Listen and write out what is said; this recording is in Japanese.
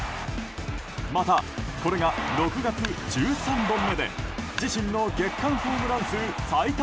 また、これが６月１３本目で自身の月間ホームラン数最多